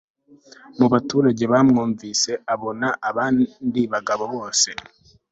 mu baturage bamwumvise, abona abandi bagabo bose